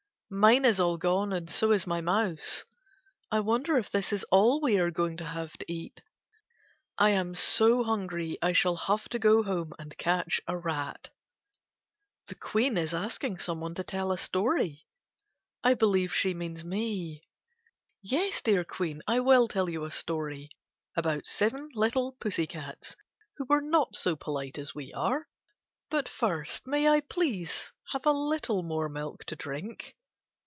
Mine is all gone and so is my mouse. I wonder if this is all we are going to have to eat. I am so hungry I shall have to go home and catch a rat. The Queen is asking some one to tell a story. I believe she means me. Yes, dear Queen, I will tell you a story about seven little pussy cats who were not so polite as we are. But first may I please have a little more milk to drink?